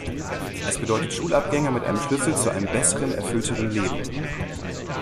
Es bedeutet Schulabgänger mit einem Schlüssel zu einem besseren, erfüllteren Leben.